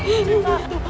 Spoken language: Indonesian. itu itu itu